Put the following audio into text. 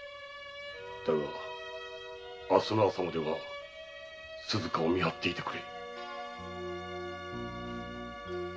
だが明日の朝までは鈴加を見張っていてくれ。